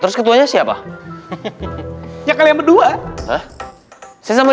saya sama dia